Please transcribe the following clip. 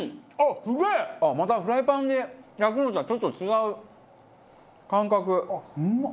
またフライパンで焼くのとはちょっと違う感覚。